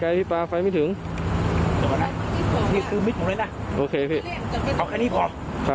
ไปไกลพี่ป่าไฟไม่ถึงโอเคพี่เอาแค่นี้พอครับ